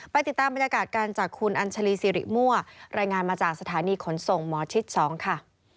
ติดตามบรรยากาศกันจากคุณอัญชาลีสิริมั่วรายงานมาจากสถานีขนส่งหมอชิด๒ค่ะ